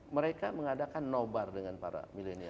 mereka mengadakan no bar dengan para milenial